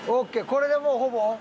これでもうほぼ？